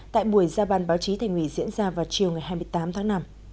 tại buổi ra ban báo chí thành ủy diễn ra vào chiều ngày hai mươi tám tháng năm